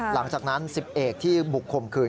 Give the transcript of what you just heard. หลังจากนั้น๑๐เอกที่บุกข่มขืน